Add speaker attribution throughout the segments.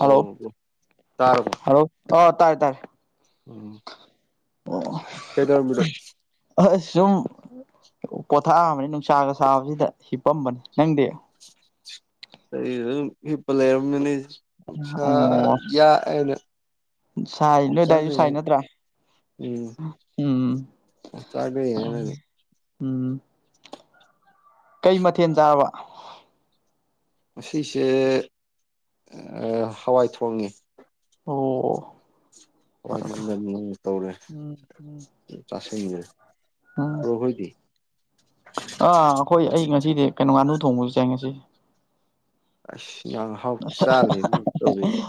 Speaker 1: hello
Speaker 2: ꯇꯥꯔꯕꯣ
Speaker 1: hello ꯑ ꯇꯥꯏ ꯇꯥꯏ
Speaker 2: ꯀꯩꯗꯔꯝꯃꯤꯗꯣ
Speaker 1: ꯑꯁ ꯁꯨꯝ ꯄꯣꯊꯥꯝꯕꯅꯤ ꯅꯨꯡꯁꯥꯒ ꯁꯥꯕꯁꯤꯗ ꯍꯤꯞꯄꯝꯕꯅꯤ ꯅꯪꯗꯤ
Speaker 2: ꯑꯩꯝ ꯍꯤꯄ ꯂꯩꯔꯝꯅꯤꯅꯦ ꯁꯥ
Speaker 1: ꯑꯣ
Speaker 2: ꯌꯥꯑꯦꯅ
Speaker 1: ꯁꯥꯏ ꯅꯣꯏꯗꯥꯏꯁꯨ ꯁꯥꯏ ꯅꯠꯇ꯭ꯔꯥ
Speaker 2: ꯎꯝ
Speaker 1: ꯎꯝ
Speaker 2: ꯃꯗ ꯌꯥꯅ
Speaker 1: ꯎꯝ ꯀꯩ ꯃꯊꯦꯜ ꯆꯥꯔꯕ
Speaker 2: ꯃꯁꯤꯁꯦ ꯍꯋꯥꯏ ꯊꯣꯡꯉ
Speaker 1: ꯑꯣ
Speaker 2: ꯍꯣꯏ
Speaker 1: ꯐꯔꯦ ꯐꯔꯦ
Speaker 2: ꯅꯪꯒ ꯅꯪꯅ ꯇꯧꯔꯦ
Speaker 1: ꯎꯝ ꯎꯝ
Speaker 2: ꯆꯥꯁꯤꯟꯁꯦ
Speaker 1: ꯎꯝ ꯑꯥ ꯑꯩꯈꯣꯏ ꯑꯩ ꯉꯁꯤ ꯁꯤꯗꯤ ꯀꯩꯅꯣ ꯉꯥꯅꯨ ꯊꯣꯡꯕꯁꯨ ꯆꯪꯉꯦ ꯁꯤꯁꯦ
Speaker 2: ꯑꯁ ꯉ ꯍꯥꯎꯇ ꯆꯥꯂ ꯇꯧꯔꯤꯅꯦ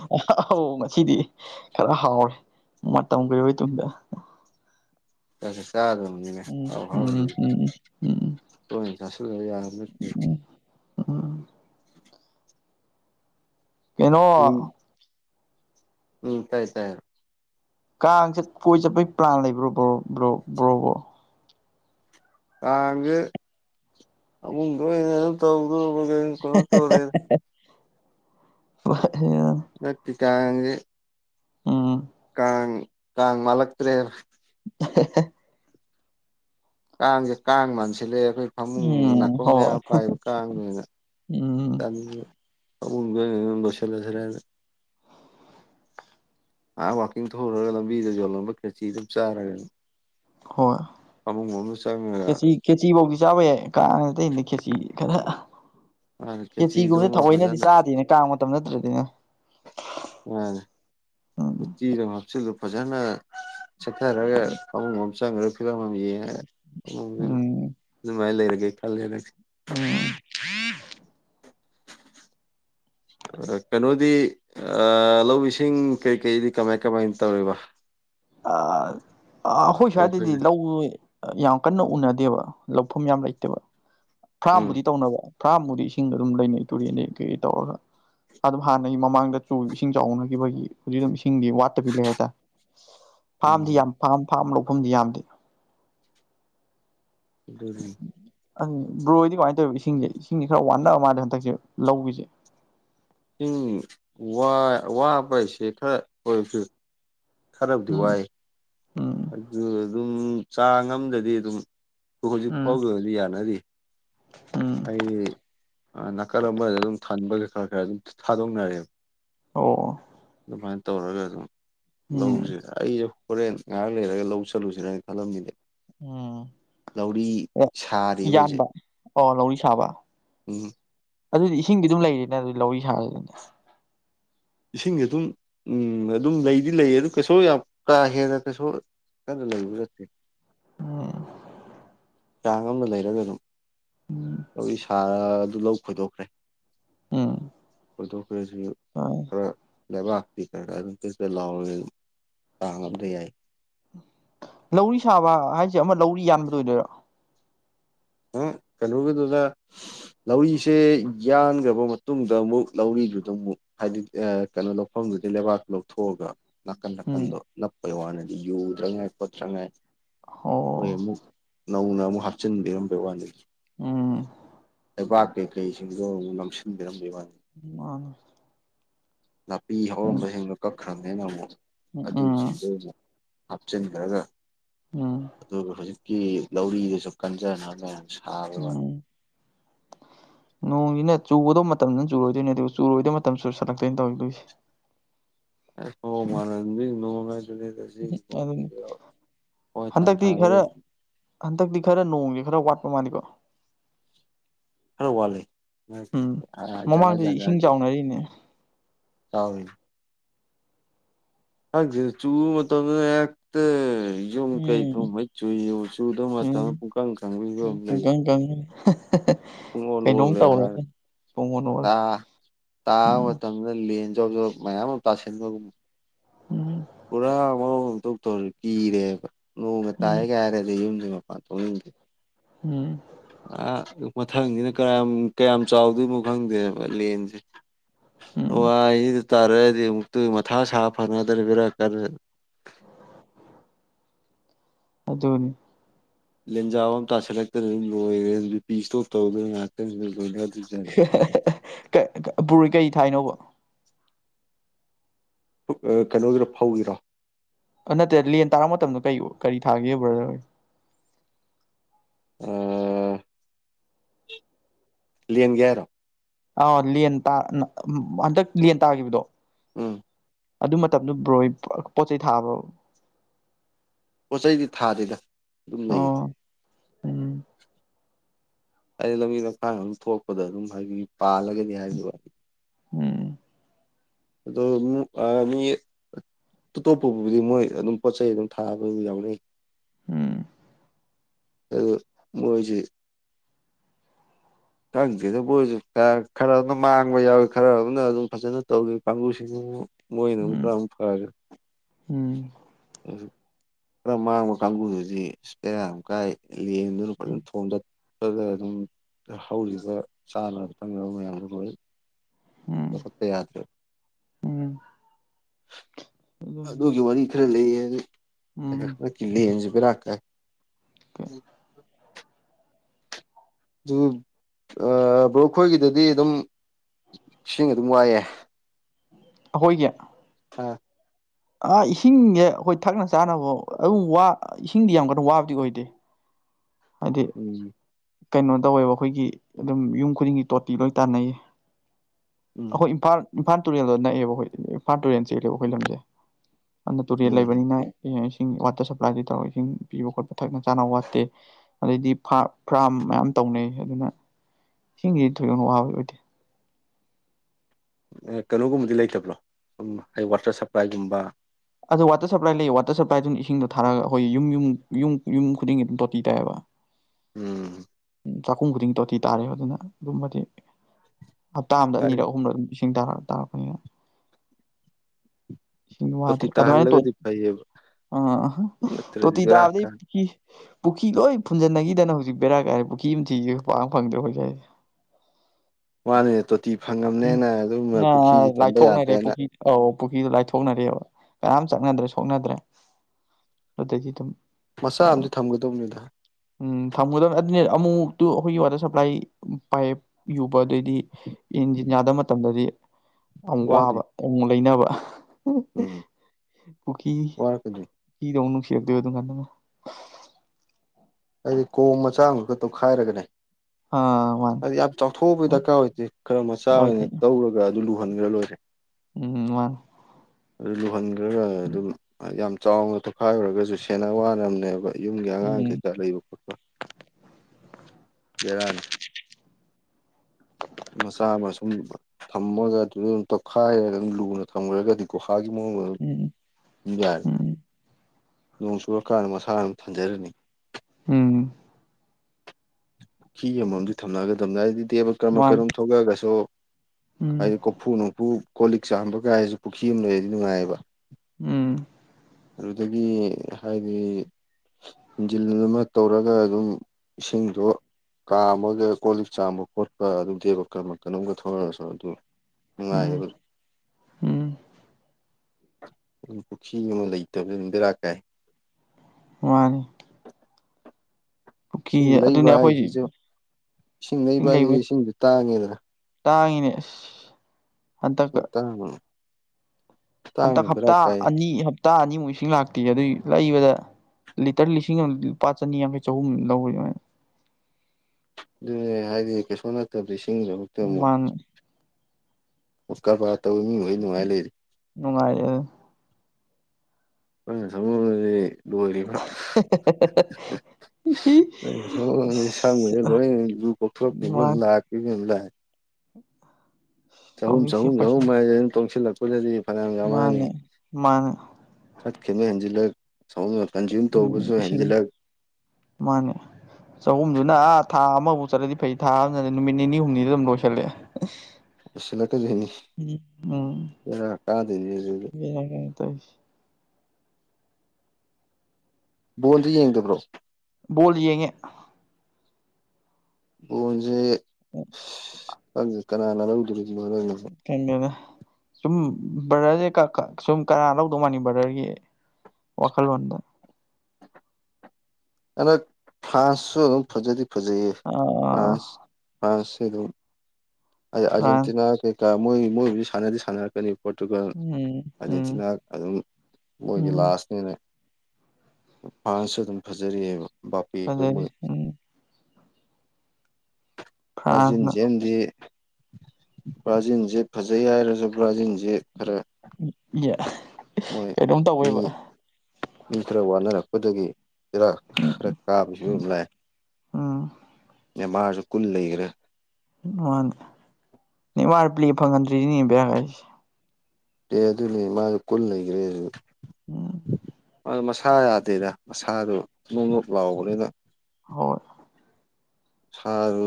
Speaker 1: ꯍ ꯉꯁꯤꯗꯤ ꯈꯔ ꯍꯥꯎꯔꯦ ꯃꯇꯝ ꯀꯨꯏꯔꯕꯒꯤ ꯇꯨꯡꯗ
Speaker 2: ꯁ ꯆꯥ ꯑꯗꯨ
Speaker 1: ꯎꯝ
Speaker 2: ꯍꯥꯎ
Speaker 1: ꯎꯝ ꯎꯝ ꯎꯝ
Speaker 2: ꯍꯥꯎ ꯆꯁꯨ ꯌꯥꯕ ꯅꯠꯇꯦ
Speaker 1: ꯎꯝ ꯎꯝ ꯀꯩꯅꯣ
Speaker 2: ꯃꯤ ꯇ ꯏ ꯇ
Speaker 1: ꯀꯥꯡ ꯆꯠ ꯀꯣꯏ ꯆꯠꯄꯒꯤ ꯄ꯭ꯂꯥꯟ ꯂꯩꯕ꯭ꯔꯣꯕꯣ ꯕ꯭ꯔꯣꯕꯣ
Speaker 2: ꯇꯉ ꯑꯃꯨꯡ ꯇ ꯀ ꯇꯧꯔꯦ
Speaker 1: ꯐ ꯍ
Speaker 2: ꯀꯦ
Speaker 1: ꯑꯣ
Speaker 2: ꯀꯪ ꯀ ꯃꯥꯂꯛꯇ ꯇꯦ
Speaker 1: [inaudible]
Speaker 2: ꯀꯥꯡꯁꯦ ꯀꯥꯡ ꯃꯥꯟꯁꯤꯦ ꯑꯩꯈꯣꯏ ꯐꯃꯨꯡ ꯅꯥꯀꯣꯡ
Speaker 1: ꯍꯣꯏ
Speaker 2: ꯃꯌꯥ ꯄꯥꯏꯕ ꯀꯥꯡꯅꯅ
Speaker 1: ꯎꯝ
Speaker 2: ꯑꯝꯕꯁꯂ ꯁꯔꯔꯦ ꯑꯥ ꯋꯥꯛꯀꯤꯡ ꯊꯔꯒ ꯂꯝꯕꯤꯗ ꯌꯣꯜꯂꯝꯕ ꯈꯦꯆꯤ ꯑꯗꯨꯝ ꯆꯥꯔꯒꯅꯤ
Speaker 1: ꯍ
Speaker 2: ꯆꯪꯉꯒ
Speaker 1: ꯀꯦꯆ ꯀꯦꯆ ꯣꯗꯤ ꯆꯕ ꯌꯥ ꯀꯥꯅꯗ ꯀꯈꯤ ꯆ ꯈꯔ
Speaker 2: ꯃꯥꯅ
Speaker 1: ꯀꯦꯆꯤꯒꯨꯝꯕꯗꯤ
Speaker 2: ꯈꯦꯆꯤꯗꯨꯃ
Speaker 1: ꯊꯑꯣꯏꯅꯗꯤ
Speaker 2: ꯐꯖꯅ
Speaker 1: ꯆꯥꯗꯦꯅ ꯀꯥꯡꯕ ꯃꯇꯝ ꯅꯠꯇ꯭ꯔꯗꯅ
Speaker 2: ꯑ ꯎꯇꯤꯔ ꯍꯥꯞꯆꯤꯜꯂꯣ ꯐꯖꯅ ꯆꯠꯊꯔꯒ ꯐꯃꯨꯡ ꯑꯃ ꯆꯪꯈ꯭ꯔ ꯐꯤꯕꯝ ꯑꯃ ꯌꯦꯡꯉ ꯑꯣ ꯑꯗꯨꯃꯥꯏꯅ ꯂꯩꯔꯒꯦ ꯈꯜꯂꯔꯒꯦ
Speaker 1: ꯎ
Speaker 2: ꯀꯩꯅꯣꯗꯤ ꯂꯧ ꯏꯁꯤꯡ ꯀꯩꯀꯩꯗꯤ ꯀꯃꯥꯏ ꯀꯃꯥꯏꯅ ꯇꯧꯔꯤꯕ
Speaker 1: ꯑꯩꯈꯣꯏ ꯁ꯭ꯋꯥꯏꯗꯗꯤ
Speaker 2: ꯑꯩꯈꯣꯏꯗꯤ
Speaker 1: ꯂꯧ ꯌꯥꯝ ꯀꯟꯅ ꯎꯅꯗꯦꯕ ꯂꯧꯐꯝ ꯌꯥꯝ ꯂꯩꯇꯕ
Speaker 2: ꯎꯝ
Speaker 1: ꯈꯔꯥꯝꯕꯨꯗꯤ ꯇꯧꯅꯕ ꯈꯔꯥꯝꯕꯨꯗꯤ ꯏꯤꯡ ꯑꯗꯨꯝ ꯂꯩꯅꯩ ꯇꯨꯔꯦꯟꯗꯩ ꯀꯩꯀꯩ ꯇꯧꯔꯒ ꯑꯗꯨꯝ ꯍꯥꯟꯅꯒꯤ ꯃꯃꯥꯡꯗ ꯏꯁꯤꯡ ꯆꯥꯎꯅꯈꯤꯕꯒꯤ ꯍꯧꯖꯤꯛ ꯑꯗꯨꯝ ꯏꯁꯤꯡ ꯁꯤꯡꯗꯤ ꯋꯥꯠꯇꯕꯤ ꯂꯩ ꯍꯥꯏꯇꯥꯔꯦ ꯐꯥꯝꯗꯤ
Speaker 2: ꯎꯝ
Speaker 1: ꯌꯥꯝ ꯐꯥꯝ ꯐꯥꯝꯧꯕ ꯃꯐꯝꯗꯤ ꯌꯥꯝꯗꯦ
Speaker 2: [inaudible]
Speaker 1: ꯑꯗꯨ ꯕ꯭ꯔꯣꯏꯗꯤ ꯀꯃꯥꯏꯅ ꯇꯧꯋꯤ ꯏꯁꯤꯡꯁꯦ ꯏꯁꯤꯡꯁꯦ ꯈꯔ ꯋꯥꯅꯕ ꯃꯥꯜꯂꯦ ꯍꯟꯗꯛꯁꯦ ꯂꯧꯒꯤꯁꯦ
Speaker 2: ꯆꯤꯡ ꯋꯥꯕꯁꯦ ꯈꯔ ꯑꯣꯏꯈ ꯈꯔꯕꯨꯗꯤ
Speaker 1: ꯎꯝ
Speaker 2: ꯋꯥꯏ
Speaker 1: ꯎꯝ
Speaker 2: ꯑꯗꯨ ꯑꯗꯨꯝ ꯆꯥ ꯉꯝꯗꯗꯤ ꯑꯗꯨꯝ ꯍꯧꯣꯏꯖꯤ
Speaker 1: ꯎꯝ
Speaker 2: ꯐꯒꯅꯤ ꯌꯥꯅꯔꯤ
Speaker 1: ꯎꯝ
Speaker 2: ꯑꯩ ꯅꯥꯀꯜ ꯑꯃꯕꯗ ꯑꯗꯨꯝ ꯊꯟꯕꯒ ꯈꯔ ꯈꯔ ꯑꯗꯨꯝ ꯊꯥꯗꯣꯛꯅꯔꯦꯕ
Speaker 1: ꯑꯣ
Speaker 2: ꯑꯗꯨꯃꯥꯏꯅ ꯇꯧꯔꯒ ꯑꯗꯨꯝ ꯂꯧꯁꯤ
Speaker 1: ꯎꯝ
Speaker 2: ꯑꯩꯁꯨ ꯍꯣꯔꯦꯟ ꯉꯥꯏꯍꯥꯛ ꯂꯩꯔꯒ ꯂꯧ ꯆꯠꯂꯨꯁꯤꯅꯅ ꯈꯜꯂꯝꯃꯤꯅꯦ
Speaker 1: ꯎꯝ
Speaker 2: ꯂꯧꯔꯤ
Speaker 1: ꯑꯣ
Speaker 2: ꯁꯥꯔꯤꯕ ꯍꯧꯖꯤꯛ
Speaker 1: ꯌꯥꯟꯕ ꯑꯣ ꯂꯧꯔꯤ ꯁꯥꯕ
Speaker 2: ꯎꯝ
Speaker 1: ꯑꯗꯨꯗꯤ ꯏꯁꯤꯡꯗꯤ ꯑꯗꯨꯝ ꯂꯩꯔꯤꯅꯦ ꯑꯗꯨꯗꯤ ꯂꯧꯋ ꯁꯥꯔꯗꯅ
Speaker 2: ꯏꯁꯤꯡ ꯑꯗꯨꯝ ꯑꯗꯨꯝ ꯂꯩꯗꯤ ꯂꯩ ꯑꯗꯨ ꯀꯩꯁꯨ ꯌꯥꯝ ꯀꯥ ꯍꯦꯟꯅ ꯀꯩꯁꯨ ꯀꯗ ꯂꯩꯕꯤ ꯔꯠꯇꯦ
Speaker 1: ꯑ
Speaker 2: ꯆꯥꯡ ꯑꯃ ꯂꯩꯔꯒ ꯑꯗꯨꯝ ꯂꯧ ꯁꯥꯥꯗꯨ ꯂꯧ ꯈꯣꯏꯗꯣꯛꯈ꯭ꯔꯦ
Speaker 1: ꯎꯝ
Speaker 2: ꯄꯊꯣꯛꯈꯁꯤ ꯂꯩꯕꯥꯛꯇꯤ ꯈꯔ ꯑꯗꯨꯝ ꯄꯛꯇ ꯂꯥꯎꯔꯒ ꯇꯥꯡꯝꯗ ꯌꯥꯏ
Speaker 1: ꯂꯧꯔꯤ ꯁꯥꯕ ꯍꯥꯏꯁꯦ ꯑꯃ ꯂꯧꯔꯤ ꯌꯥꯟꯕꯗ ꯑꯣꯏꯗꯣꯏꯔ
Speaker 2: ꯎꯝ ꯀꯂꯒꯤꯗꯨꯗ ꯂꯧꯔꯤꯁꯦ ꯌꯥꯟꯈ꯭ꯔꯕ ꯃꯇꯨꯡꯗ ꯑꯃꯨꯛ ꯂꯧꯔꯤꯗꯨꯗ ꯑꯃꯨꯛ ꯍꯥꯏꯗꯤ ꯀꯩꯅꯣ ꯂꯧꯐꯝ ꯑꯗꯨꯗꯩ ꯂꯩꯕꯥꯛ ꯂꯧꯊꯣꯛꯑꯒ ꯅꯥꯀꯟ
Speaker 1: ꯎꯝ
Speaker 2: ꯅꯥꯀꯟꯗꯣ ꯅꯞꯄꯩ ꯋꯥꯅꯗꯤ ꯌꯨꯗ꯭ꯔꯉꯥꯏ ꯈꯣꯠꯇ꯭ꯔꯉꯥꯏ ꯍꯣꯏ
Speaker 1: ꯑꯣ
Speaker 2: ꯑꯃꯨꯛ ꯅꯧꯅ ꯑꯃꯨꯛ ꯍꯥꯞꯆꯤꯟꯕꯤꯔꯝꯕ ꯋꯥꯅꯤꯗ
Speaker 1: ꯎꯝ
Speaker 2: ꯂꯩꯕꯥꯛ ꯀꯩꯀꯩꯁꯤꯡꯗꯣ ꯑꯃꯨꯛ ꯅꯝꯁꯤꯟꯕꯤꯔꯝꯕꯩ ꯋꯥꯅꯤꯗ
Speaker 1: ꯃꯥꯅꯤ
Speaker 2: ꯅꯥꯄꯤ ꯍꯧꯔꯝꯕꯁꯤꯡꯗꯣ ꯀꯛꯈ꯭ꯔꯝꯅꯤꯅ ꯑꯃꯨꯛ ꯑꯗꯨ
Speaker 1: ꯎꯝ
Speaker 2: ꯁꯤꯡꯗꯨ ꯑꯃꯨꯛ ꯍꯥꯞꯆꯤꯟꯈ꯭ꯔꯒ
Speaker 1: ꯎꯝ
Speaker 2: ꯑꯗꯨꯒ ꯍꯧꯖꯤꯛꯀꯤ ꯂꯧꯔꯤꯗꯨꯁꯨ ꯀꯟꯖꯅ ꯁꯥꯕꯩ ꯋꯥꯅꯤ
Speaker 1: ꯎꯝ ꯅꯣꯡꯁꯤꯅ ꯆꯨꯒꯗꯧ ꯃꯇꯝꯁꯤꯅ ꯆꯨꯔꯣꯏꯗꯣꯏꯅꯤ ꯑꯗꯨꯒ ꯆꯨꯔꯣꯏꯗꯕ ꯃꯇꯝ ꯆꯨꯁꯜꯂꯛꯇꯣꯏꯅꯦ ꯇꯧꯋꯤꯗꯣꯏꯁꯦ
Speaker 2: [unintelligible] ꯅ‌ꯣꯡ ꯍꯥꯏꯁꯤ ꯨ
Speaker 1: ꯑꯗꯨꯅꯤ
Speaker 2: [unintelligible] ꯍꯣꯏ ꯇꯥꯟ
Speaker 1: ꯍꯟꯗꯛꯇꯤ
Speaker 2: ꯊꯥꯔꯨꯕ
Speaker 1: ꯈꯔ
Speaker 2: ꯌꯥꯏ
Speaker 1: ꯍꯟꯗꯛꯇꯤ ꯈꯔ ꯅꯣꯡꯒꯤ ꯈꯔ ꯋꯥꯠꯄ ꯃꯥꯜꯂꯤꯀꯣ
Speaker 2: ꯈꯔ ꯋꯥꯠꯂꯤ
Speaker 1: ꯎꯝ ꯃꯃꯥꯡꯗꯗꯤ ꯏꯁꯤꯡ ꯆꯥꯎꯅꯔꯤꯅꯦ
Speaker 2: ꯆꯥꯎꯏ ꯈꯪꯗ‌ꯦꯗ ꯆꯨꯕ ꯃꯇꯝꯗꯅ ꯍ‌ꯦꯛꯇ ꯌꯨꯝ ꯀꯩ
Speaker 1: ꯎꯝ
Speaker 2: ꯊꯨꯝ ꯍꯩ ꯆꯨꯏ ꯎ ꯆꯨꯗꯕ ꯃꯇꯝꯗ
Speaker 1: ꯎꯝ
Speaker 2: ꯄꯨꯡꯀꯪ ꯀꯪꯕꯤꯕ ꯑꯃ ꯂꯩ
Speaker 1: ꯄꯨꯡꯀꯪ ꯀꯪꯉꯤ
Speaker 2: ꯄꯨꯡꯑꯣꯟ
Speaker 1: ꯀꯩꯅꯣꯝ
Speaker 2: ꯑꯣꯟꯂꯦ ꯍꯥꯏꯔ
Speaker 1: ꯇꯧꯔꯒ ꯄꯨꯡꯑꯣꯟ ꯑꯣꯜꯂꯤ
Speaker 2: ꯇ ꯇꯥꯕ
Speaker 1: ꯎꯝ
Speaker 2: ꯃꯇꯝꯗ ꯂꯦꯟꯖꯣꯕ ꯖꯣꯕ ꯃꯌꯥꯝ ꯑꯃ ꯇꯥꯁꯤꯟꯕꯒꯨꯝ
Speaker 1: ꯎꯝ
Speaker 2: ꯄꯨꯔꯥ ꯃꯥꯑꯣꯡ ꯑꯃ ꯏꯇꯧ ꯇꯧꯔꯤ ꯀꯤꯔ‌ꯦ ꯑꯩꯈ‌ꯣꯏ ꯅꯣꯡꯒ
Speaker 1: ꯎꯝ
Speaker 2: ꯇꯥꯏꯒ ꯍꯥꯏꯔꯗꯤ ꯌꯨꯝ ꯌꯨꯝꯗꯩ ꯃꯄꯥꯟ ꯊ‌ꯣꯛꯅꯤꯡꯗ‌ꯦ
Speaker 1: ꯎꯝ
Speaker 2: [unintelligible] ꯃꯊꯪꯁꯤꯅ ꯀꯌꯥꯝ ꯀꯌꯥꯝ ꯆꯥꯎꯗꯣꯏꯅꯣ ꯈꯪꯗꯦꯕ ꯂꯦꯟꯁꯦ
Speaker 1: ꯎꯝ
Speaker 2: ꯋꯥꯗꯨ ꯇꯥꯔꯗꯤ ꯑꯃꯨꯛꯇꯨ ꯃꯊꯥ ꯁꯥ ꯐꯅꯗ꯭ꯔ ꯕ‌ꯦꯔꯥ ꯀꯥꯅꯅꯤ
Speaker 1: ꯑꯗꯨꯅꯤ
Speaker 2: ꯂꯦꯟꯖꯥꯕ ꯑꯃ ꯇꯥꯁꯜꯂꯛꯇꯅ ꯂꯣꯏꯔꯦ ꯕꯤꯄꯤ ꯁꯇꯣꯛ ꯇꯧꯗꯅ ꯉꯥꯛꯇꯣꯏ ꯂ‌ꯣꯏꯅꯒꯔ‌ꯦ
Speaker 1: ꯄꯨꯔ ꯀꯩ ꯊꯥꯏꯅꯣꯕ
Speaker 2: ꯀꯩꯅꯣꯗꯨꯔ‌ꯣ ꯐꯧꯒꯤꯔꯣ
Speaker 1: ꯑ ꯅꯠꯇꯦ ꯂꯦꯟ ꯇꯥꯔ ꯃꯇꯝꯗ ꯀ ꯀꯔꯤ ꯊꯥꯒꯦ ꯕ꯭ꯔꯗ ꯍꯣꯏ
Speaker 2: ꯑ ꯂꯟꯒꯤ ꯍꯥꯏꯔ‌ꯣ
Speaker 1: ꯑ ꯂ‌ꯦꯟ ꯍꯟꯗꯛ ꯂꯦꯟ ꯇꯥꯈꯤꯕꯗꯣ
Speaker 2: ꯎꯝ
Speaker 1: ꯑꯗꯨ ꯃꯇꯝꯗꯨ ꯕ꯭ꯔꯣꯏ ꯄꯣꯠ ꯆꯩꯩ ꯊꯥꯕ꯭ꯔꯣ
Speaker 2: ꯄꯣꯠ ꯆꯩꯩꯗꯤ ꯊꯥꯗꯦꯗ ꯑꯗꯨꯝ ꯂꯩꯌꯦ
Speaker 1: ꯑꯣ ꯎꯝ
Speaker 2: ꯑꯩ ꯂꯝꯕꯤ ꯂꯝꯈꯥꯡ ꯑꯗꯨ ꯊꯣꯛꯄꯗ ꯑꯗꯨꯝ ꯍꯥꯏꯗꯤ ꯄꯥꯜꯂꯒꯗꯤ ꯍꯥꯏꯕ ꯋꯥꯅꯤ
Speaker 1: ꯎꯝ
Speaker 2: ꯑꯗꯣ ꯃꯨꯛ ꯑ ꯃꯤ ꯇꯣꯞꯇꯣꯞꯄꯕꯨꯗꯤ ꯃꯣꯏ ꯑꯗꯨꯝ ꯄꯣꯠ ꯆꯩ ꯑꯗꯨꯝ ꯊꯥꯕ ꯌꯥꯎꯅꯩ
Speaker 1: ꯎꯝ
Speaker 2: ꯑ ꯃꯣꯏꯁꯤ ꯈꯪꯗꯦꯗꯕꯨ ꯑꯣꯏꯔꯁꯨ ꯈꯔ ꯑꯃꯅ ꯃꯥꯡꯕ ꯌꯥꯎꯏꯤ ꯈꯔ ꯑꯃꯅ ꯑꯗꯨꯝ ꯐꯖꯅ ꯇꯧꯏ ꯀꯥꯡꯕꯨꯁꯤꯡ ꯃꯣꯏꯅ ꯑꯃꯨꯛ
Speaker 1: ꯎꯝ
Speaker 2: ꯈꯔ ꯑꯃ ꯐꯔꯦ
Speaker 1: ꯎꯝ
Speaker 2: ꯈꯔ ꯃꯥꯡꯕ ꯀꯥꯡꯕꯨꯗꯨꯗꯤ ꯏꯁ ꯕ‌ꯦꯔꯥ ꯌꯥꯝ ꯀꯥꯏ ꯂꯦꯡꯗꯨꯅ ꯐꯖꯅ ꯊꯣꯝꯂꯠ ꯈꯗ ꯑꯗꯨꯝ ꯍꯧꯔꯤꯕ ꯆꯥꯅꯕ ꯊꯛꯅꯕ ꯃꯌꯥꯝꯗꯨ ꯂ‌ꯣꯏ
Speaker 1: ꯎꯝ
Speaker 2: ꯂꯧꯈꯠꯄ ꯌꯥꯗ꯭ꯔ‌ꯦꯕ
Speaker 1: ꯎꯝ ꯎꯝ
Speaker 2: ꯑꯗꯨꯒꯤ ꯋꯥꯔꯤ ꯈꯔ ꯂꯩꯌꯦ
Speaker 1: ꯎꯝ
Speaker 2: ꯍꯟꯗꯛꯀꯤ ꯂꯦꯟꯁꯤ ꯈꯔ ꯕ‌ꯦꯔꯥ ꯀꯥꯏ ꯎꯝ ꯑꯗꯨꯝ ꯕ꯭ꯔꯣꯛꯈꯣꯏꯒꯤꯗꯗꯤ ꯑꯗꯨꯝ ꯏꯁꯤꯡ ꯑꯗꯨꯝ ꯋꯥꯏꯌ‌ꯦ
Speaker 1: ꯑꯩꯈꯣꯏꯒꯤ
Speaker 2: ꯑꯥ
Speaker 1: ꯑꯥ ꯏꯁꯤꯡꯁꯦ ꯑꯩꯈꯣꯏ ꯊꯛꯅ ꯆꯥꯅꯕ ꯑꯗꯨꯝ ꯏꯁꯤꯡꯗꯤ ꯌꯥꯝ ꯀꯟꯅ ꯋꯥꯕꯗꯤ ꯑꯣꯏꯗꯦ ꯍꯥꯏꯗꯤ
Speaker 2: ꯎꯝ
Speaker 1: ꯀꯩꯅꯣ ꯇꯧꯋꯦꯕ ꯑꯩꯈꯣꯏꯒꯤ ꯑꯗꯨꯝ ꯌꯨꯝ ꯈꯨꯗꯤꯡꯒꯤ ꯇꯣꯇꯤ ꯂꯣꯏ ꯇꯥꯟꯅꯩꯌꯦ
Speaker 2: ꯎꯝ
Speaker 1: ꯑꯩꯈꯣꯏ ꯏꯝꯐꯥꯜ ꯏꯝꯐꯥꯜ ꯇꯨꯔꯦꯜꯗ ꯅꯛꯑꯦꯕ ꯑꯩꯈꯣꯏ ꯏꯝꯐꯥꯜ ꯇꯨꯔꯦꯜ ꯆꯦꯂꯦꯕ ꯑꯩꯈꯣꯏ ꯂꯝꯁꯦ ꯑꯗꯨꯅ ꯇꯨꯔꯦꯜ
Speaker 2: ꯎꯝ
Speaker 1: ꯂꯩꯕꯅꯤꯅ ꯏꯁꯤꯡ ꯋꯥꯇꯔ ꯁꯄ꯭ꯂꯥꯏꯗꯤ ꯇꯧꯔꯒ ꯏꯁꯤꯡ ꯄꯤꯕ ꯈꯣꯠꯄ ꯊꯛꯅ ꯆꯥꯅ ꯋꯥꯠꯇꯦ ꯑꯗꯩꯗꯤ ꯐꯥꯝ ꯃꯌꯥꯝ ꯇꯧꯅꯩ ꯑꯗꯨꯅ ꯏꯁꯤꯡꯁꯤ ꯊꯣꯏꯗꯣꯛꯅ ꯋꯥꯕꯗꯤ ꯑꯣꯏꯗꯦ
Speaker 2: ꯀꯩꯅꯣꯒꯨꯝꯕꯗꯤ ꯂꯩꯇꯕ꯭ꯔꯣ ꯁꯨꯝ ꯍꯥꯏꯗꯤ ꯋꯥꯇꯔ ꯁꯄ꯭ꯂꯥꯏꯒꯨꯝꯕ
Speaker 1: ꯑꯗꯣ ꯋꯥꯇꯔ ꯁꯄ꯭ꯂꯥꯏ ꯂꯩ ꯋꯥꯇꯔ ꯁꯄ꯭ꯂꯥꯏꯗꯨ ꯑꯗꯨꯝ ꯏꯁꯤꯡꯗꯣ ꯊꯥꯔꯒ ꯑꯩꯈꯣꯏ ꯌꯨꯝ ꯌꯨꯝ ꯌꯨꯝ ꯌꯨꯝ ꯈꯨꯗꯤꯡꯒꯤ ꯑꯗꯨꯝ ꯇꯣꯤ ꯇꯥꯏꯌꯦꯕ
Speaker 2: ꯎꯝ
Speaker 1: ꯆꯥꯛꯈꯨꯝ ꯈꯨꯗꯤꯡ ꯇꯣꯇꯤ ꯇꯥꯔꯦ ꯑꯗꯨꯅ ꯑꯗꯨꯃꯗꯤ ꯍꯞꯇꯥ ꯑꯃꯗ ꯑꯅꯤꯔꯛ ꯑꯍꯨꯝꯂ ꯑꯗꯨꯝ ꯏꯁꯤꯡ ꯇꯥꯔ ꯇꯥꯔꯛꯄꯅꯤꯅ
Speaker 2: ꯇꯣꯇꯤ
Speaker 1: ꯋꯥꯗ꯭ꯔꯦ ꯑꯗꯨꯃꯥꯏꯅ
Speaker 2: ꯇꯥꯍꯜꯂꯒꯗꯤ ꯐꯩꯌꯦꯕ
Speaker 1: ꯑ
Speaker 2: ꯅꯠꯇ꯭ꯔꯗꯤ
Speaker 1: ꯇꯣꯇ
Speaker 2: ꯕꯦꯔꯥ
Speaker 1: ꯇꯥꯕꯗꯤ
Speaker 2: ꯀꯥꯟ
Speaker 1: ꯄꯨ꯭ꯔꯤ ꯂꯣꯏ ꯐꯨꯟꯖꯟꯅꯈꯤꯗꯅ ꯍꯧꯖꯤꯛ ꯕꯦꯔꯥ ꯀꯥꯏ ꯄꯨꯈ꯭ꯔꯤ ꯑꯃ ꯊꯤꯁꯤꯦꯁꯨ ꯄꯥ ꯐꯪꯗ꯭ꯔꯦ ꯑꯩꯣꯏ ꯀꯁꯦ
Speaker 2: ꯃꯥꯅꯤꯅ ꯇꯣꯇꯤ ꯐꯪꯉꯝꯅꯦꯅ ꯑꯗꯨꯒꯨꯝꯕ
Speaker 1: ꯅ
Speaker 2: ꯄꯨꯈ꯭ꯔꯤꯁꯤ ꯊꯝꯕ
Speaker 1: ꯂꯥꯏꯊꯣꯛꯅꯔꯦ
Speaker 2: ꯌꯥꯗ꯭ꯔꯦꯅ
Speaker 1: ꯄꯨꯈ꯭ꯔꯤ ꯑꯧ ꯄꯨꯈ꯭ꯔꯤꯗꯣ ꯂꯥꯏꯊꯣꯛꯅꯔꯤꯑꯕ ꯀꯌꯥꯝꯝ ꯆꯠꯅꯗ꯭ꯔꯦ ꯁꯣꯛꯅꯗ꯭ꯔꯦ ꯑꯗꯨꯗꯗꯤ ꯑꯗꯨꯝ
Speaker 2: ꯃꯆꯥ
Speaker 1: ꯇꯧꯕ
Speaker 2: ꯑꯝꯇ ꯊꯝꯒꯗꯧꯕꯅꯤꯗ
Speaker 1: ꯎꯝ ꯊꯝꯒꯗꯕꯅꯤ ꯑꯗꯨꯅꯦ ꯑꯃꯨꯛꯇꯨ ꯑꯩꯈꯣꯏꯒꯤ ꯋꯥꯇꯔ ꯁꯄ꯭ꯂꯥꯏ ꯄꯥꯏꯞ ꯌꯨꯕ ꯑꯗꯩꯗꯤ ꯏꯟꯖꯤꯟ ꯌꯥꯗꯕ ꯃꯇꯝꯗꯗꯤ ꯌꯥꯝ ꯋꯥꯕ
Speaker 2: ꯋꯥꯗꯣꯏꯅꯤ
Speaker 1: ꯎ ꯂꯩꯅꯕ
Speaker 2: ꯎꯝ ꯋꯥꯔꯛꯀꯗꯣꯏꯅꯤ
Speaker 1: ꯀꯀꯤꯗꯧꯅ ꯀꯗ ꯑꯣ ꯑꯗꯨꯣ ꯀꯥꯟꯗ
Speaker 2: ꯑꯩꯗꯤ ꯀꯣ ꯃꯆꯥꯗꯨ ꯈ ꯇꯧꯈꯥꯏꯔꯒꯅꯦ
Speaker 1: ꯑꯥ ꯃꯥꯅꯦ
Speaker 2: ꯍꯥꯏꯗꯤ ꯌꯥꯝ ꯆꯥꯎꯊꯣꯛꯕ
Speaker 1: ꯍꯣꯏ
Speaker 2: ꯗꯔꯀꯥꯔ ꯑꯣꯏꯗꯦ ꯈꯔ ꯃꯆꯥ
Speaker 1: ꯑꯣꯏꯗꯤ
Speaker 2: ꯑꯣꯏꯅ ꯇꯧꯔꯒ ꯑꯗꯨ ꯂꯨ ꯭ꯔꯂꯣꯦ
Speaker 1: ꯎꯝ ꯋꯥ
Speaker 2: ꯑꯗꯨ ꯂꯨꯍꯟꯈ꯭ꯔꯒ ꯑꯗꯨꯝ ꯌꯥꯝ ꯆꯥꯎꯅ ꯇꯣꯈꯥꯏꯔꯨꯔꯒꯁꯨ ꯁꯦꯟꯅ ꯋꯥꯅꯕꯅꯦꯕ ꯌꯨꯝꯒꯤ ꯑꯉꯥꯡ
Speaker 1: ꯎꯝ
Speaker 2: ꯦꯔꯟ ꯃꯆꯥ ꯑꯃ ꯁꯨꯝ ꯊꯝꯃꯒ ꯑꯗꯨꯗ ꯑꯗꯨꯝ ꯇꯣꯈꯥꯏꯔꯒ ꯑꯗꯨꯝ ꯂꯨꯅ ꯊꯝꯈ꯭ꯔꯒꯗꯤꯀꯣ ꯐꯥꯒꯤꯃꯣ
Speaker 1: ꯎꯝ
Speaker 2: ꯏꯔ
Speaker 1: ꯎꯝ
Speaker 2: ꯅꯣꯡ ꯆꯨꯔꯀꯥꯟꯗ ꯃꯁꯥꯅꯝ ꯊꯟꯖꯔꯅꯤ
Speaker 1: ꯎꯝ
Speaker 2: ꯐꯤ ꯑꯃꯃꯝꯗꯨ ꯊꯝꯂꯛꯑꯒ ꯊꯝꯅꯗꯤ ꯗꯦꯕ ꯀꯔꯝꯕ
Speaker 1: ꯃꯥꯅꯤ
Speaker 2: ꯀꯔꯝ ꯊꯣꯛꯂꯛꯑꯒꯁꯨ
Speaker 1: ꯎꯝ
Speaker 2: ꯍꯥꯏꯗꯤ ꯀꯣꯐꯨ ꯅꯨꯡꯐꯨ ꯀꯣꯜ ꯂꯤꯛ ꯆꯥꯝꯕ ꯀꯥꯏꯔꯁꯨ ꯄꯨꯈ꯭ꯔꯤ ꯑꯃ ꯂꯩꯔꯗꯤ ꯅꯨꯡꯉꯥꯏꯑꯕ
Speaker 1: ꯎꯝ
Speaker 2: ꯑꯗꯨꯗꯒꯤ ꯍꯥꯏꯗꯤ ꯏꯟꯖꯤꯟ ꯑꯃ ꯇꯧꯔꯒ ꯑꯗꯨꯝ ꯏꯁꯤꯡꯗꯣ ꯀꯥ ꯑꯃꯒ ꯀꯣ ꯂꯤꯛ ꯆꯥꯝꯕ ꯈꯣꯠꯄ ꯑꯗꯨꯗꯦꯕ ꯀꯔ ꯀꯔꯣꯝꯒ ꯊꯔꯑꯁꯨ ꯑꯗꯨ
Speaker 1: ꯎꯝ
Speaker 2: ꯅꯨꯡꯉꯥꯏꯕ
Speaker 1: ꯎꯝ
Speaker 2: ꯄꯨꯅ ꯂꯩ ꯗꯤꯔꯀꯦ
Speaker 1: ꯃꯥꯅꯤ ꯄꯨ꯭ꯔꯤ
Speaker 2: ꯏꯁꯤꯡ
Speaker 1: ꯑꯗꯨꯅꯦ
Speaker 2: ꯂꯩꯕ
Speaker 1: ꯑꯩꯈꯣꯏꯁꯤ
Speaker 2: ꯍꯥꯏꯁꯤꯁꯨ ꯏꯁꯤꯡ ꯂꯩꯩꯕ ꯍꯥꯏꯁꯤꯗꯤ ꯏꯁꯤꯡꯁꯨ ꯇꯥꯡꯉꯦꯗꯅ
Speaker 1: ꯇꯥꯏꯅꯦꯁ
Speaker 2: ꯁꯇ
Speaker 1: ꯍꯟꯗꯛ ꯍꯞꯇꯥ ꯑꯅꯤ ꯍꯞꯇꯥ ꯑꯅꯤꯃꯨꯛ ꯏꯁꯤꯡ ꯂꯥꯛꯇꯦ ꯑꯗꯨꯏ ꯂꯩꯕꯗ ꯂꯤꯇꯔ ꯂꯤꯁꯤꯡ ꯑꯃ ꯂꯨꯄꯥ ꯆꯅꯤ ꯌꯥꯡꯈꯩ ꯆꯍꯨꯝ ꯂꯧꯗꯅꯦ
Speaker 2: ꯍꯥꯏꯗꯤꯦ ꯁꯅꯥ ꯇ ꯁꯤꯁꯤꯡꯖꯛꯇ ꯑꯃꯣ
Speaker 1: ꯃꯥꯟ
Speaker 2: ꯎꯨꯠꯀꯔꯕꯥꯔ ꯇꯧꯕ ꯃꯤ ꯍ ꯅꯨꯡꯉꯥꯏ ꯂꯩꯔꯤ
Speaker 1: ꯅꯨꯡꯉꯥꯏꯔꯦ
Speaker 2: ꯆꯃꯕꯗꯤ ꯗꯃ ꯁ ꯂꯣꯏ ꯌ ꯀ ꯀꯖꯤꯝ ꯂꯥꯛ ꯀꯖꯤꯝ ꯂ
Speaker 1: ꯑ
Speaker 2: ꯆꯍꯨꯝ ꯆꯍꯨꯝ ꯆꯍꯨꯝ ꯍꯥꯏꯗ ꯑꯩꯅ ꯇꯣꯡꯁꯤꯜꯂꯛꯄꯗꯗꯤ ꯐꯅꯌꯥꯝꯒ ꯃꯥꯅꯤ
Speaker 1: ꯃꯥꯅꯦ ꯃꯥꯅꯦ
Speaker 2: ꯆꯠ ꯈꯦꯠꯅꯩ ꯍꯦꯟꯖꯤꯜꯂꯒ
Speaker 1: ꯎꯝ ꯏꯁꯤꯡ ꯃꯥꯅꯦ ꯆꯍꯨꯝꯗꯨꯅ ꯑꯥ ꯊꯥ ꯑꯃ ꯑꯣ ꯆꯠꯂꯗꯤ ꯐꯩ ꯊꯥꯕꯗꯅ ꯅꯨꯃꯤꯠ ꯅꯤꯅꯤ ꯍꯨꯝꯅꯤꯗ ꯑꯗꯨꯝ ꯂꯣꯏꯁꯤꯜꯂꯦ
Speaker 2: ꯂꯣꯏꯁꯤꯜꯂꯛꯀꯗꯣꯏꯅꯤ
Speaker 1: ꯎ
Speaker 2: ꯕꯦꯔꯥ ꯀꯥꯗꯣꯏꯅꯤ ꯑꯗꯨꯗꯤ
Speaker 1: ꯁꯇꯩꯏꯁ
Speaker 2: ꯕꯣꯟꯗꯤ ꯌꯦꯡꯗꯕ꯭ꯔꯣ
Speaker 1: ꯣꯜꯦꯒꯦ
Speaker 2: ꯄꯨꯖꯦ
Speaker 1: ꯑ
Speaker 2: ꯑꯗꯨꯦ ꯀꯅꯥ ꯅꯥꯟꯗꯅꯤ
Speaker 1: ꯊꯗ ꯁꯨꯝ ꯕꯔꯗꯔꯁꯦ ꯁꯨꯝ ꯀꯅꯥ ꯂꯧꯗꯧ ꯃꯥꯅꯤ ꯕꯔꯗꯔꯒꯤ ꯋꯥꯀꯜ ꯋꯥꯟꯗ
Speaker 2: ꯑꯗ ꯐꯥꯁꯁꯨ ꯑꯗꯨꯝ ꯐꯖꯗꯤ ꯐꯖꯩꯌꯦ ꯃꯥꯥꯁ
Speaker 1: ꯑꯥ
Speaker 2: ꯃꯥꯥꯁꯁꯦ ꯑꯗꯨꯝ ꯑꯗ
Speaker 1: ꯐ꯭ꯔꯥꯟꯁ
Speaker 2: ꯑꯥꯔꯖꯦꯟꯇꯤꯅꯥ ꯀꯩꯀꯥ ꯃꯣꯏ ꯃꯣꯏꯕꯨꯗꯤ ꯁꯥꯟꯅꯗꯤ ꯁꯥꯟꯅꯔꯛꯀꯅꯤꯕ ꯄꯣꯇꯨꯀꯜ
Speaker 1: ꯎꯝ ꯎꯝ
Speaker 2: ꯑꯗꯨꯤꯟꯆꯤꯟꯅꯥꯥꯛ ꯑꯗꯨꯝ ꯃꯣꯏꯒꯤ
Speaker 1: ꯎꯝ
Speaker 2: ꯂꯥꯁꯅꯤꯅ ꯐꯥꯟꯁꯁꯨ ꯑꯗꯨꯝ ꯐꯖꯔꯤꯑꯕ ꯕꯥꯄꯤ ꯑꯩꯈꯣꯏ ꯃꯣꯏ
Speaker 1: ꯐꯖꯔꯤ ꯎꯝ ꯐ꯭ꯔꯥꯟꯁꯅ
Speaker 2: ꯕ꯭ꯔꯥꯖꯤꯜꯁꯗꯤ ꯕ꯭ꯔꯥꯖꯤꯜꯁꯦ ꯐꯖꯩ ꯍꯥꯏꯔꯁꯨ ꯕ꯭ꯔꯥꯖꯤꯜ ꯌꯦ ꯈꯔ
Speaker 1: ꯌꯦ
Speaker 2: ꯃꯣꯏ
Speaker 1: ꯀꯩꯅꯣꯝ
Speaker 2: ꯃꯤ
Speaker 1: ꯇꯧꯋꯦꯕ
Speaker 2: ꯃꯤ ꯈꯔ ꯋꯥꯅꯔꯛꯄꯗꯒꯤ ꯂꯣ ꯀꯥ
Speaker 1: ꯎꯝ
Speaker 2: ꯂꯩꯥꯏ
Speaker 1: ꯎꯝ
Speaker 2: ꯌꯥꯝ ꯃꯥꯁꯨ ꯀꯨꯜ ꯂꯩꯈ꯭ꯔꯦ
Speaker 1: ꯋꯥꯗ ꯃꯥꯔ ꯄꯂꯤ ꯐꯪꯒꯟ ꯇꯔꯤ ꯄ ꯀꯥꯏꯁꯤ
Speaker 2: ꯑꯦ ꯑꯗꯨ ꯂꯩ ꯃꯥꯁꯨ ꯀꯨꯜ ꯂꯩꯈ꯭ꯔꯦꯁꯨ
Speaker 1: ꯎꯝ
Speaker 2: ꯑ ꯃꯁꯥ ꯌꯥꯗꯦꯗ ꯃꯁꯥꯗꯨ ꯅꯣꯂꯞ ꯂꯥꯎꯕꯅꯤ ꯑꯗ
Speaker 1: ꯍꯣꯏ
Speaker 2: ꯁꯥꯔ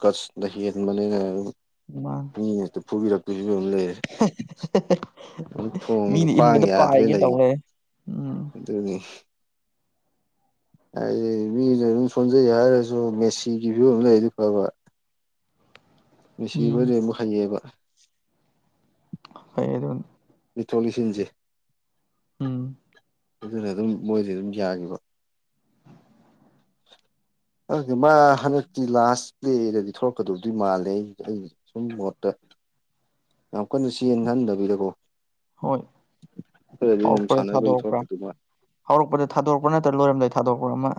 Speaker 2: ꯀꯁꯅ ꯍꯦꯟꯕꯅꯤꯅ
Speaker 1: ꯃꯥꯅꯦ
Speaker 2: ꯃꯤ ꯐꯨꯕꯤꯔꯛꯛꯇ ꯕ ꯑꯃ ꯂꯩꯔꯦ ꯊꯣꯡꯕꯗ
Speaker 1: ꯃꯤꯅ
Speaker 2: ꯈ꯭ꯋꯥꯡ
Speaker 1: ꯏꯟꯕꯗ
Speaker 2: ꯌꯥꯗ꯭ꯔꯦ
Speaker 1: ꯄꯥꯏꯒꯦ ꯇꯧ
Speaker 2: ꯂꯩꯈ꯭ꯔꯦ
Speaker 1: ꯂꯩꯔꯦ ꯎꯝ
Speaker 2: ꯑꯗꯨꯗꯅꯦꯅꯤ ꯍꯥꯏꯗꯤ ꯃꯤꯅ ꯑꯗꯨꯝ ꯁꯣꯟꯖꯩ ꯍꯥꯏꯔꯁꯨ ꯃꯦꯁꯤꯒꯤ ꯐꯤꯕꯝ ꯂꯩꯗꯤ ꯐꯕ
Speaker 1: ꯎꯝ
Speaker 2: ꯅꯨꯡꯁꯤꯕꯗꯤ ꯑꯃꯨꯛ ꯍꯩꯌꯦꯑꯕ
Speaker 1: ꯑꯗꯅꯤ
Speaker 2: ꯄꯇ꯭ꯔꯣꯜꯁꯤꯟꯁꯦ
Speaker 1: ꯎꯝ
Speaker 2: ꯑꯗꯨꯅ ꯑꯗꯨꯝ ꯃꯣꯏꯗꯤ ꯑꯗꯨꯝ ꯌꯥꯈꯤꯕ [inaudible] ꯑꯗꯨꯗꯤ ꯃꯥ ꯍꯟꯗꯛꯇꯤ ꯂꯥꯁ ꯄ꯭ꯂꯦꯗꯗꯤ ꯊꯣꯛꯂꯛꯀꯗꯕꯗꯤ ꯃꯥꯜꯂꯦ ꯑꯩ ꯑꯩ ꯁꯨꯝ ꯃꯣꯠꯇ ꯌꯥꯝ ꯀꯟꯅ ꯆꯟ ꯍꯟꯗꯕꯤꯗꯀꯣ
Speaker 1: ꯍꯣꯏ ꯍꯧꯔꯛꯄꯗ
Speaker 2: ꯁꯥꯟꯅꯕꯒꯤ
Speaker 1: ꯊꯥꯗꯣꯔꯛꯄ꯭ꯔꯥ
Speaker 2: ꯊꯣꯛꯂꯛꯀꯗꯧ ꯃꯥꯜꯂꯦ
Speaker 1: ꯍꯧꯔꯛꯄꯗ ꯊꯥꯗꯣꯔꯛꯄ꯭ꯔꯥ ꯅꯠꯇ ꯂꯣꯏꯔꯝ ꯂꯩ ꯊꯥꯗꯣꯛꯄ ꯑꯃ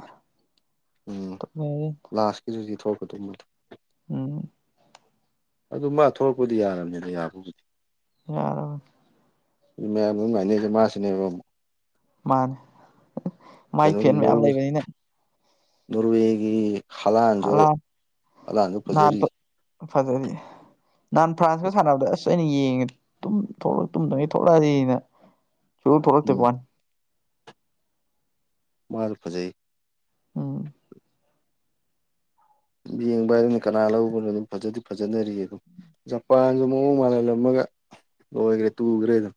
Speaker 2: ꯎꯝ
Speaker 1: ꯇꯧꯅꯔꯤ
Speaker 2: ꯂꯥꯁꯀꯤꯗꯨꯗꯤ ꯊꯣꯛꯀꯗ ꯃꯗ
Speaker 1: ꯎꯝ
Speaker 2: ꯑꯗꯨ ꯃꯥ ꯊꯣꯛꯂꯛꯄꯗꯤ ꯌꯥꯔꯕꯅꯤꯗ ꯌꯥꯕꯕꯨꯗꯤ
Speaker 1: ꯣ
Speaker 2: ꯃꯌꯥꯝ ꯑꯗꯨꯝ ꯉꯥꯏꯅꯦꯗꯦ ꯃꯥꯁꯤꯅꯦꯕ ꯑꯃꯨꯛ
Speaker 1: ꯃꯥꯅꯦ ꯃꯥꯏ
Speaker 2: ꯀꯩꯅꯣꯒꯤ
Speaker 1: ꯐꯦꯟ ꯃꯌꯥꯝ
Speaker 2: ꯅꯣꯔꯋꯦ
Speaker 1: ꯂꯩꯕꯅꯤꯅ
Speaker 2: ꯅꯣꯔꯋꯦꯒꯤ ꯍꯂꯥꯟꯁꯨ
Speaker 1: ꯍꯂꯥꯟ
Speaker 2: ꯑꯂꯥꯟꯁꯨ
Speaker 1: ꯅꯍꯥꯟ
Speaker 2: ꯐꯖꯔꯤ
Speaker 1: ꯐꯖꯔꯤ ꯅꯍꯥꯟ ꯐ꯭ꯔꯥꯟꯁꯀ ꯁꯥꯟꯅꯕꯗ ꯑꯁ ꯑꯩꯅ ꯌꯦꯡꯉꯦ ꯇꯨꯝ ꯇꯨꯝꯗꯉꯩ ꯊꯣꯛꯂꯛꯑꯁꯤꯅ ꯆ ꯊꯔꯛꯦ
Speaker 2: ꯎꯝ
Speaker 1: ꯄꯥꯟ
Speaker 2: ꯃꯥꯜ ꯐꯖꯩ
Speaker 1: ꯑ
Speaker 2: ꯌꯦꯡꯕ ꯍꯥꯏꯗꯅ ꯀꯅꯥ ꯂꯧꯕꯅꯣ ꯑꯗꯨꯝ ꯐꯖꯗꯤ ꯐꯖꯅꯔꯤꯌꯦ ꯑꯗꯨꯝ ꯖꯄꯥꯟꯁꯨ ꯃꯑꯣꯡ ꯃꯥꯂꯂꯝꯃꯒ ꯑꯣꯏ ꯑꯣꯏꯈ꯭ꯔꯦ ꯇꯨꯒ꯭ꯔꯦꯗ